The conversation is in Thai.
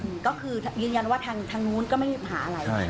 ก็คือยืนยันว่าทางทางนู้นก็ไม่มีปัญหาอะไร